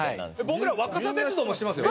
僕ら若桜鉄道も知ってますよ。